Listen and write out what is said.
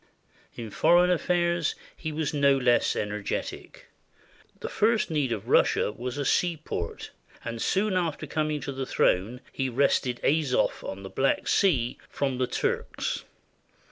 In foreign affairs he was no less energetic. The first need of Russia was a seaport, and soon after coming to the throne he had wrested Azov on the Black Sea from the Turks.